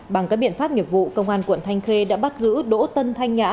bằng các biện pháp nghiệp vụ công an quận thanh khê đã bắt giữ đỗ tân thanh nhã